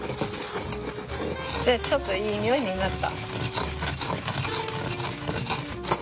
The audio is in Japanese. でちょっといい匂いになった！